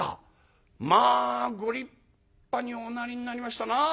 まあご立派におなりになりましたな」。